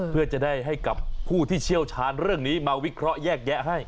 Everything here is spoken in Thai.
เพื่อจะได้ให้กับผู้ที่เชี่ยวชาญเรื่องนี้มาวิเคราะห์แยกแยะให้